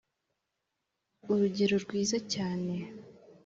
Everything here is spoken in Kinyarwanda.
urugero rwiza cysane